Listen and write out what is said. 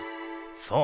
そう。